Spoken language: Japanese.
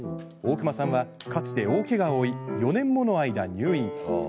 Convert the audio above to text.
大熊さんは、かつて大けがを負い４年もの間、入院。